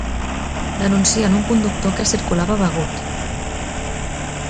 Denuncien un conductor que circulava begut.